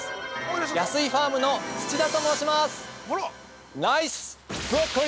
安井ファームの土田と申します。